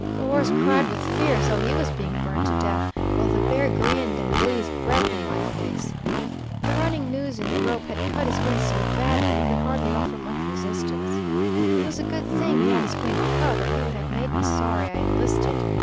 The horse cried with fear as though he was being burnt to death, while the bear grinned and blew his breath in my face. The running noose in the rope had cut his wind so badly, he could hardly offer much resistance. It was a good thing he had his wind cut, or he would have made me sorry I enlisted.